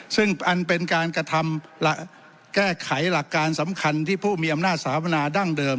ซึ่งอันเป็นการกระทำแก้ไขหลักการสำคัญที่ผู้มีอำนาจสถาปนาดั้งเดิม